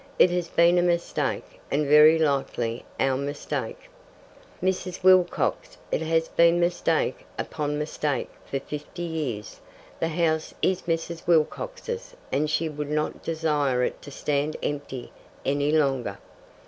"It has been a mistake, and very likely our mistake." "Mrs. Wilcox, it has been mistake upon mistake for fifty years. The house is Mrs. Wilcox's, and she would not desire it to stand empty any longer."